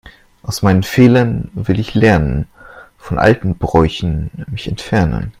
Aus meinen Fehlern will ich lernen, von alten Bräuchen mich entfernen.